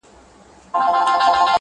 ژوند يې پکي ونغښتی، بيا يې رابرسيره کړ~